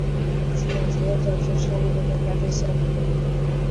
একই সঙ্গে রয়েছে শিক্ষামূলক, বিনোদন, যোগাযোগ, সৃজনশীলতার চর্চাসহ বিভিন্ন কাজের সফটওয়্যার।